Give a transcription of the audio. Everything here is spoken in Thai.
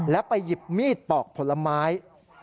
และไปหยิบมีดปอกผลไม้